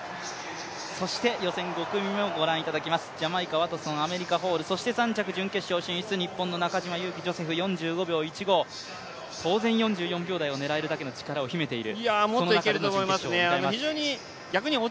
そして予選５組目をご覧いただきますジャマイカ・ワトソンアメリカ・ホールそして３着、準決勝進出は日本の中島佑気ジョセフ４５秒１５、当然４４秒台を狙えるだけの力を秘めている。